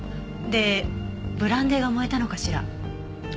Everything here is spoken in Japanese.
でブランデーが燃えたのかしら？